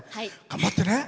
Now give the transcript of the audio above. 頑張ってね。